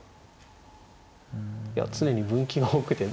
いや常に分岐が多くて。